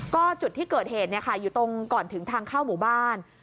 ก็จุดที่เกิดเหตุอยู่ตรงก่อนถึงทางเข้าหมู่บ้าน